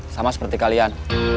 sama seperti kalian